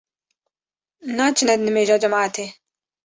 Naçine nimêja cemaetê